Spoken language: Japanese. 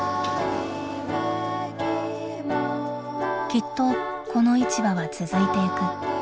きっとこの市場は続いていく。